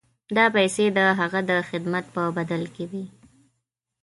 دا پیسې د هغه د خدمت په بدل کې وې.